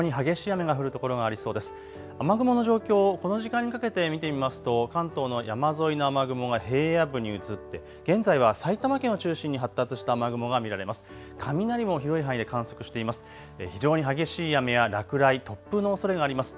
雨雲の状況、この時間にかけて見てみますと関東の山沿いの雨雲が平野部に移って現在は埼玉県を中心に発達した雨雲が見られます。